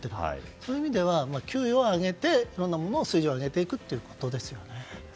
そういう意味では給与を上げてどんどん水準を上げていくということですよね。